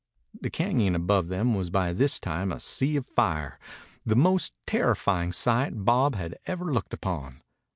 The cañon above them was by this time a sea of fire, the most terrifying sight Bob had ever looked upon.